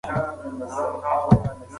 په خپل کور کې باغچه جوړه کړئ.